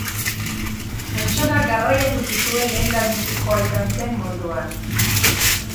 Pertsonak garraiatu zituen lehendabizikoa izan zen munduan.